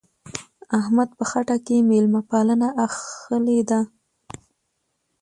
احمد په خټه کې مېلمه پالنه اخښلې ده.